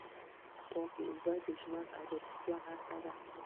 پاکې اوبه د ژوند او روغتیا نښه ده.